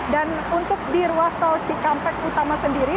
dan untuk di ruas tol cikampek utama sendiri